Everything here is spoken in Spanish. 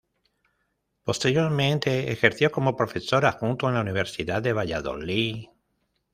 Posteriormente ejerció como profesor adjunto en la Universidad de Valladolid.